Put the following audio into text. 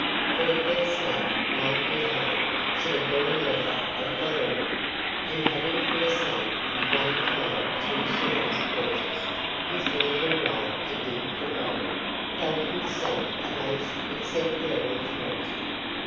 For the first month Mike behaved to the very letter of the law, and having for the sum of one pound ten shillings purchased his legal right to dig for gold, felt himself a most exemplary character.